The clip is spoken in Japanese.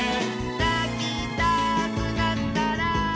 「なきたくなったら」